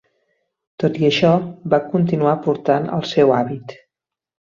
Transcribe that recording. Tot i això, va continuar portant el seu hàbit.